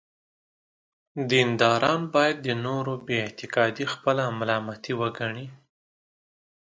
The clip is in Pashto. دینداران باید د نورو بې اعتقادي خپله ملامتي وګڼي.